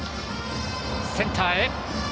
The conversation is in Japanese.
センターへ。